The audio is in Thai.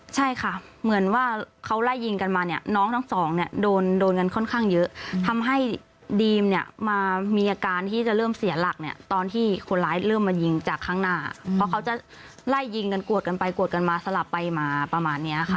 ใช่ค่ะเหมือนว่าเขาไล่ยิงกันมาเนี่ยน้องทั้งสองเนี่ยโดนโดนกันค่อนข้างเยอะทำให้ดีมเนี่ยมามีอาการที่จะเริ่มเสียหลักเนี่ยตอนที่คนร้ายเริ่มมายิงจากข้างหน้าเพราะเขาจะไล่ยิงกันกวดกันไปกวดกันมาสลับไปมาประมาณเนี้ยค่ะ